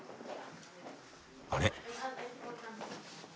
あれ？